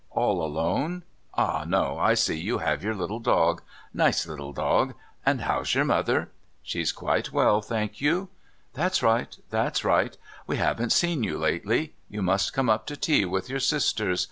"All alone? Ah, no, I see you have your little dog. Nice little dog. And how's your mother?" "She's quite well, thank you." "That's right that's right. We haven't seen you lately. You must come up to tea with your sisters.